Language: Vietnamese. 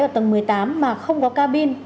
ở tầng một mươi tám mà không có cabin